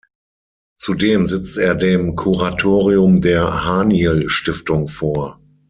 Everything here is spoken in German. Zudem sitzt er dem Kuratorium der Haniel-Stiftung vor.